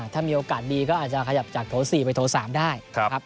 ถ้ามีโอกาสดีเขาอาจจะขยับจากโถทสี่ในโถสามได้